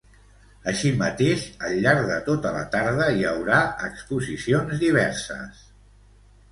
Així mateix, al llarg de tota la tarda, hi haurà exposicions diverses.